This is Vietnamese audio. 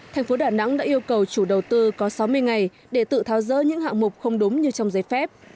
thành phố đà nẵng đã yêu cầu chủ đầu tư có sáu mươi ngày để tự tháo rỡ những hạng mục không đúng như trong giấy phép